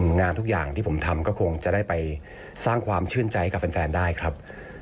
งานทุกอย่างที่ผมทำก็คงจะได้ไปสร้างความชื่นใจกับแฟนได้ครับ